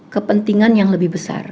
kepentingan yang lebih besar